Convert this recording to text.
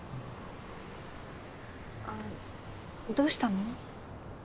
あどうしたの？